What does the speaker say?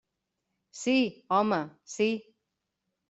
Sí, home, sí.